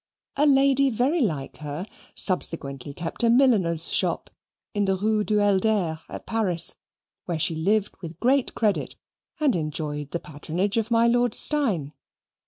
A lady very like her subsequently kept a milliner's shop in the Rue du Helder at Paris, where she lived with great credit and enjoyed the patronage of my Lord Steyne.